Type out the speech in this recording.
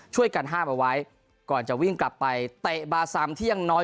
ช่วยกันห้ามเอาไว้ก่อนจะวิ่งกลับไปเตะบาซัมที่ยังน้อย